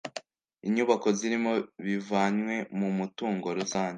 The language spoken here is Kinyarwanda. inyubako zirimo bivanywe mu mutungo rusange